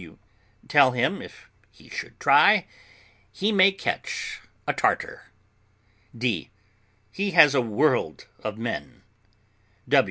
W. Tell him, if he should try, he may catch a Tartar. D. He has a world of men.